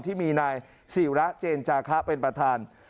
ที่มีนายศิระเจนจาคะเป็นประธาน